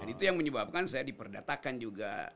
dan itu yang menyebabkan saya diperdatakan juga